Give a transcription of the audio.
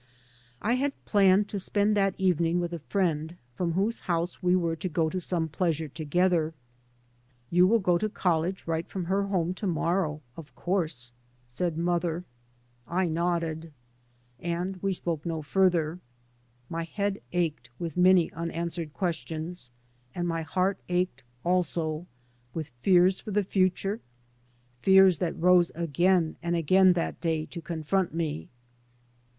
I had planned to spend that evening with a friend from whose house we were to go to some pleasure together. " You will go to college right from her home to morrow, of 3 by Google MY MOTHER AND I course," said mother. I nodded. And we spoke no further. My head ached with many unanswered questions, and my heart ached also, with fears for the future, fears that rose again and again that day to con front me.